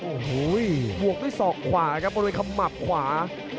โอ้โหบวกด้วยศอกขวาครับบริเวณขมับขวา